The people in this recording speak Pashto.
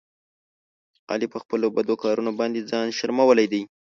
علي په خپلو بدو کارونو باندې ځان شرمولی دی.